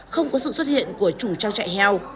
không có sự xuất hiện của chủ trang trại heo